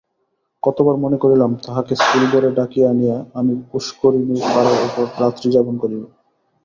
কতবার মনে করিলাম, তাহাকে স্কুলঘরে ডাকিয়া আনিয়া আমি পুষ্করিণীর পাড়ের উপর রাত্রিযাপন করিব।